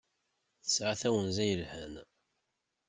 Tesɛa tawenza yelhan.